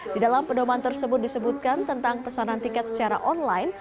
di dalam pedoman tersebut disebutkan tentang pesanan tiket secara online